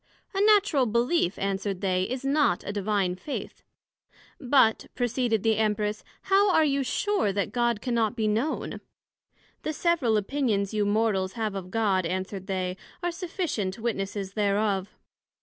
A Natural Belief, answered they, is not a Divine Faith. But, proceeded the Empress, How are you sure that God cannot be known? The several Opinions you Mortals have of God, answered they, are sufficient witnesses thereof.